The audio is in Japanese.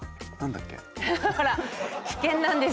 ほら危険なんです。